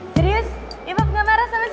serius ibu nggak marah sama sisi